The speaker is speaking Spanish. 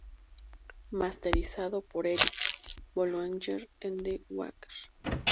Masterizado por Eric Boulanger en The Bakery.